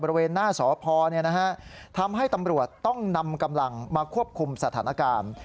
บริเวณหน้าสพทำให้ตำรวจต้องนำกำลังมาควบคุมสถานการณ์